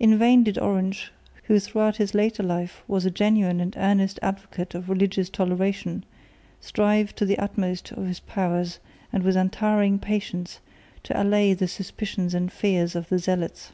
In vain did Orange, who throughout his later life was a genuine and earnest advocate of religious toleration, strive to the utmost of his powers and with untiring patience to allay the suspicions and fears of the zealots.